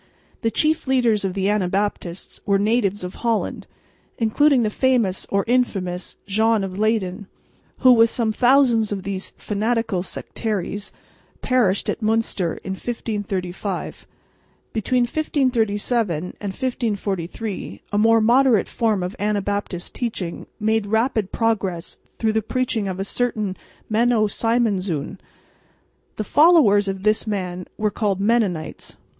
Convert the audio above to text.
The chief leaders of the Anabaptists were natives of Holland, including the famous or infamous John of Leyden, who with some thousands of these fanatical sectaries perished at Münster in 1535. Between 1537 and 1543 a more moderate form of Anabaptist teaching made rapid progress through the preaching of a certain Menno Simonszoon. The followers of this man were called Mennonites.